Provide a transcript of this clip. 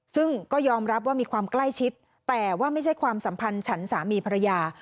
ซึ่งก็ยอมรับว่ามีความใกล้ชิดแต่ว่าไม่ใช่ความสัมพันธ์ฉันสามีภรรยา